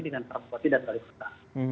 dengan para pekuat tidak terlalu serta